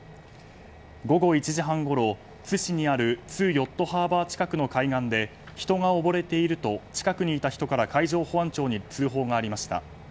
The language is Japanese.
午後１時半ごろ、津市にある津ヨットハーバー近くの海岸で人が溺れていると近くにいた人から海上保安庁に通報がありました。